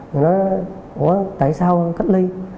người ta nói tại sao cách ly